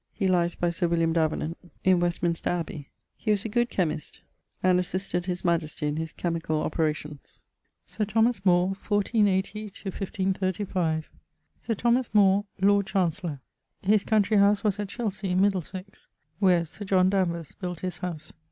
He lyes by Sir William Davenant in Westminster abbey. He was a good chymist and assisted his majestie in his chymicall operations. =Sir Thomas More= (1480 1535). Sir Thomas More[AD], Lord Chancellour: his countrey howse was at Chelsey, in Middlesex, where Sir John Danvers built his house.